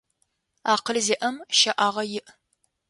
Акъыл зиIэм щэIагъэ иI.